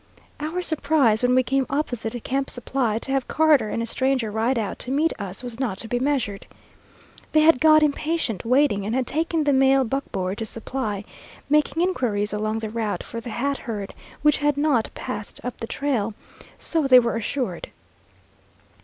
Our surprise when we came opposite Camp Supply to have Carter and a stranger ride out to meet us was not to be measured. They had got impatient waiting, and had taken the mail buckboard to Supply, making inquiries along the route for the Hat herd, which had not passed up the trail, so they were assured.